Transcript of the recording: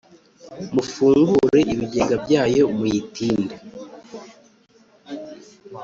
Mufungure ibigega byayo muyitinde